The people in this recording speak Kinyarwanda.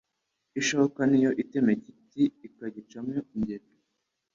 Ishoka Niyo itema igiti ikagicamo ingeri.